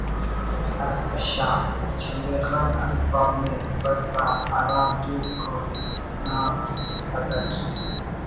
اس کشا…… شمبے خان انت پاو نے بس دا ہرا دوک کہ کنا پد اٹ